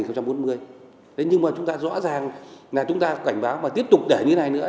thế nhưng mà chúng ta rõ ràng là chúng ta cảnh báo và tiếp tục để như này nữa